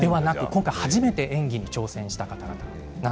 今回、初めて演技に挑戦しました。